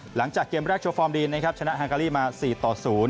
หลังจากเกมแรกโชว์ฟอร์มดีนนะครับชนะฮังการีมา๔ต่อ๐